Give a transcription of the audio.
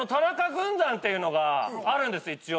っていうのがあるんです一応。